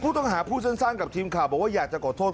ต้องพูดสั้นกับทีมข่าวบอกว่าอยากจะขอโทษ